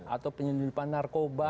atau penyelidikan narkoba